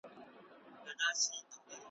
تباهي به يې ليكلې په قسمت وي `